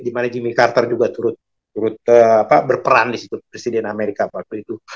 di mana jimmy carter juga turut berperan di situ presiden amerika waktu itu